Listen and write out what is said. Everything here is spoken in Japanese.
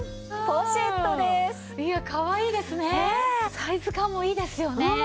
サイズ感もいいですよね。